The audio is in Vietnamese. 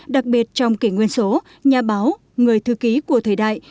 đặc biệt trong kỷ nguyên số nhà báo người thư ký của thời đại